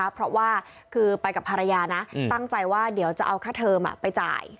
เพราะว่าไปกับภรรยาตั้งใจว่าจะเอาค่าเทอมไปจ่าย